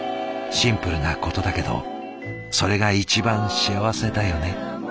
シンプルなことだけどそれが一番幸せだよね」。